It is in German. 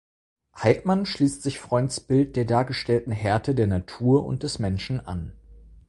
Heidmann schliesst sich Freunds Bild der dargestellten Härte der Natur und des Menschen an.